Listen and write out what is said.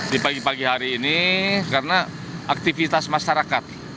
di pagi pagi hari ini karena aktivitas masyarakat